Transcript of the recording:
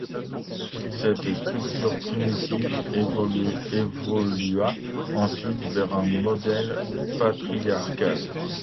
Cette structure primitive évolua ensuite vers un modèle patriarcal.